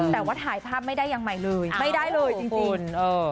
แต่ว่าถ่ายภาพไม่ได้อย่างใหม่เลยไม่ได้เลยจริง